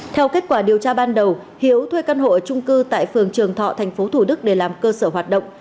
theo kết quả điều tra ban đầu hiếu thuê căn hộ ở trung cư tại phường trường thọ thành phố thủ đức để làm cơ sở hoạt động